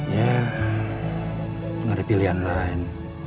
ya nggak ada pilihan lain